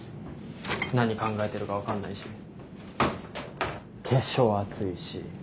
何考えてるか分かんないし化粧厚いし。